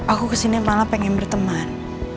aku kesini yang malah pengen berteman